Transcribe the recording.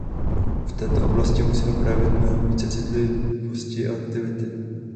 V této oblasti musíme projevit mnohem více citlivosti a aktivity.